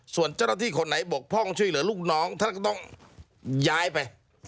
ส่วนเจ้าหน้าที่คนไหนบกพร่องช่วยเหลือลูกน้องท่านก็ต้องย้ายไป